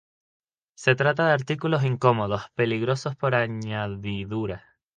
Se trata de artículos incómodos, peligrosos por añadidura.